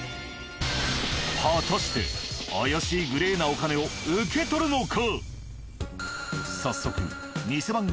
果たして怪しいグレーなお金を受け取るのか？